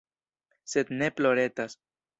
Sed ne ploretas.